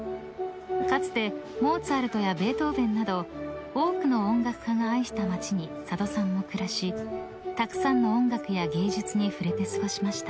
［かつてモーツァルトやベートーベンなど多くの音楽家が愛した街に佐渡さんも暮らしたくさんの音楽や芸術に触れて過ごしました］